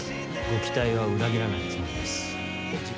ご期待は裏切らないつもりです。